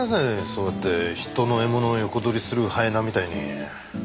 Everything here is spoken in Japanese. そうやって人の獲物を横取りするハイエナみたいに。